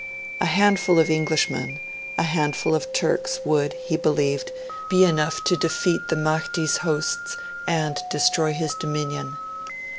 A handful of Englishmen a handful of Turks would, he believed, be enough to defeat the Mahdi's hosts and destroy his dominion.